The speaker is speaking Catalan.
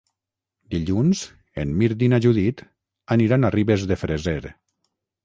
Dilluns en Mirt i na Judit aniran a Ribes de Freser.